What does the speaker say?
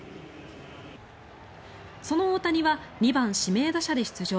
その大谷は２番指名打者で出場。